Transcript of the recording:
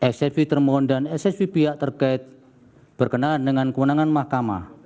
ssv termohon dan ssv pihak terkait berkenaan dengan kewenangan mahkamah